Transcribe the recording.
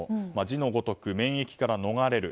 字のごとく、免疫から逃れる。